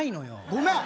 ごめん！